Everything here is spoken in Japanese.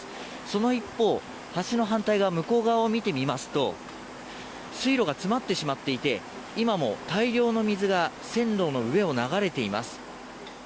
その一方、橋の反対側を見てみますと水路が詰まってしまっていて今も大量の水が線路の上を流れています。